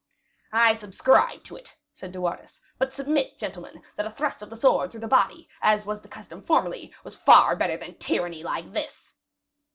"I subscribe to it," said De Wardes; "but submit, gentlemen, that a thrust of the sword through the body, as was the custom formerly, was far better than tyranny like this."